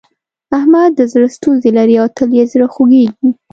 احمد د زړه ستونزې لري او تل يې زړه خوږېږي.